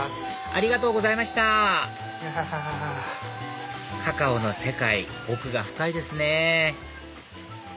ありがとうございましたカカオの世界奥が深いですね